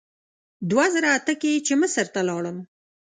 دوه زره اته کې چې مصر ته لاړم.